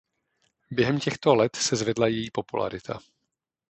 Během těchto let se zvedla její popularita.